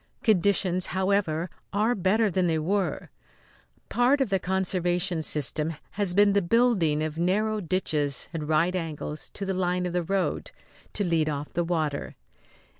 Conditions, however, are better than they were. Part of the conservation system has been the building of narrow ditches at right angles to the line of the road, to lead off the water.